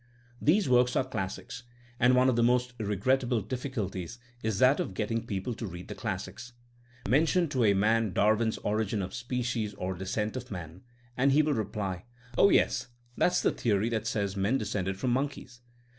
THINEmO AS A 8CIEN0E 233 These works are classics, and one of the most regrettable of difficulties is that of getting peo ple to read the classics. Mention to a man Dar win's Origin of Species or Descent of Man, and he will reply, Oh, yes, that's the theory that says men descended from monkeys.